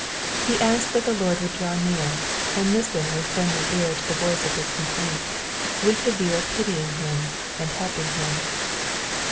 He asked that the Lord would draw near, and listen with friendly ear to the voice of his complaint, with the view of pitying him and helping him.